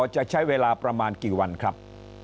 จะใช้เวลาประมาณกี่วันครับ